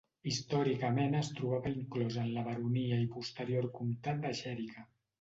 Històricament es trobava inclòs en la baronia i posterior comtat de Xèrica.